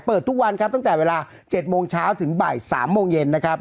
ทุกวันครับตั้งแต่เวลา๗โมงเช้าถึงบ่าย๓โมงเย็นนะครับ